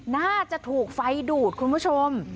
น่าจะถูกไฟดูดคุณผู้ชม